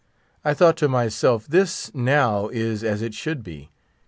I thought to myself, this now is as it should be.